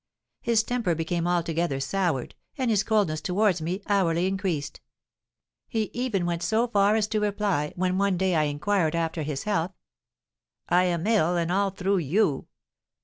His temper became altogether soured, and his coldness towards me hourly increased; he even went so far as to reply, when one day I inquired after his health, 'I am ill, and all through you.'